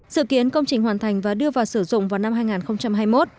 sự kiến công trình hoàn thành và đưa vào sử dụng vào năm hai nghìn hai mươi một